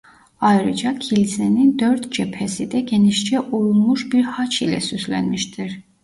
Ayrıca kilisenin dört cephesi de genişçe oyulmuş bir haç ile süslenmiştir.